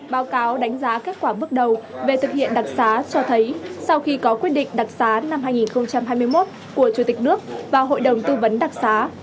báo cáo đánh giá kết quả bước đầu về thực hiện đặc xá cho thấy sau khi có quyết định đặc xá năm hai nghìn hai mươi một của chủ tịch nước và hội đồng tư vấn đặc xá